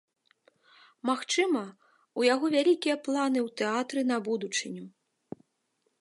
Магчыма, у яго вялікія планы ў тэатры на будучыню.